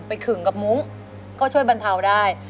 ทั้งในเรื่องของการทำงานเคยทำนานแล้วเกิดปัญหาน้อย